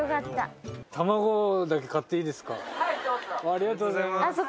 ありがとうございます。